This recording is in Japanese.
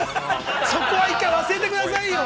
◆そこは１回忘れてくださいよ。